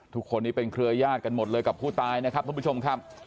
ทุกคนนี้เป็นเครือยาศกันหมดเลยกับผู้ตายนะครับทุกผู้ชมครับ